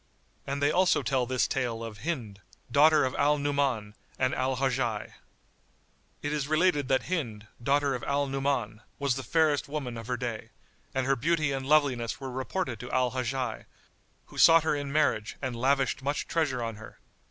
And they also tell this tale of HIND, DAUGHTER OF AL NU'MAN AND AL HAJJAJ.[FN#94] It is related that Hind, daughter of Al Nu'man, was the fairest woman of her day, and her beauty and loveliness were reported to Al Hajjaj, who sought her in marriage and lavished much treasure on her.